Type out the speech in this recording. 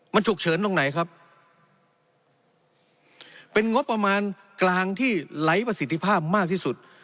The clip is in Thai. มันฉุกเฉินตรงไหนครับเป็นงบประมาณกลางที่ไหลประสิทธิภาพมากที่สุด